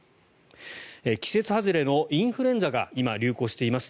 季節外れのインフルエンザが今、流行しています。